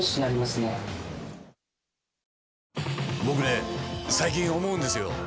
僕ね最近思うんですよ。